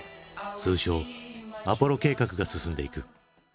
通称アポロ計画が進んでいく。